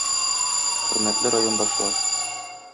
Хөрмәтле райондашлар!